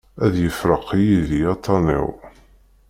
Ad yefreq yid-i aṭṭan-iw.